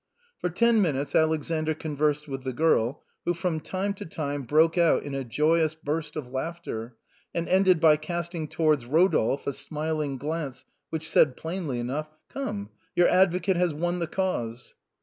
For ten minutes Alexander conversed with the girl, who from time to time broke out in a joyous burst of laughter, and ended by casting towards Eodolphe a smiling glance which said plainly enough, " Come, your advocate has won his cause."